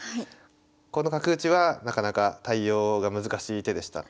この角打ちはなかなか対応が難しい手でした。